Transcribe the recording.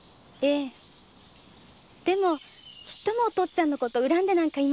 でもちっともお父っつぁんのこと恨んでなんかいませんでした。